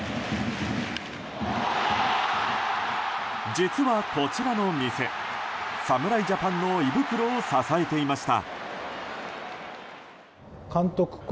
実はこちらの店侍ジャパンの胃袋を支えていました。